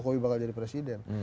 jokowi bakal jadi presiden